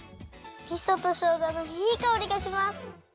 みそとしょうがのいいかおりがします。